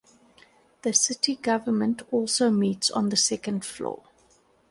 The city government also meets on the second floor.